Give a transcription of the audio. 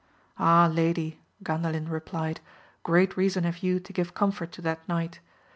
Ah, lady, Gandalin replied, great reason have you to give com fort to that knight